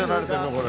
これ。